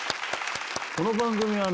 この番組は。